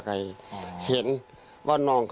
ถูกครับถูก